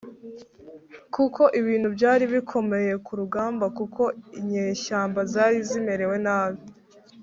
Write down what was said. kuko ibintu byari bikomeye ku rugamba kuko inyeshyamba zari zimerewe nabi,